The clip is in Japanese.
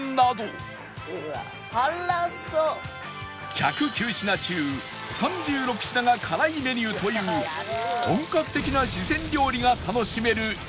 １０９品中３６品が辛いメニューという本格的な四川料理が楽しめる楊